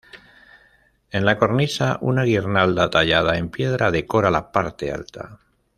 En la cornisa, una guirnalda tallada en piedra decora la parte alta.